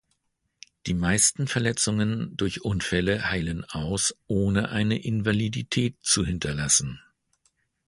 Die meisten Verletzungen durch Unfälle heilen aus, ohne eine Invalidität zu hinterlassen.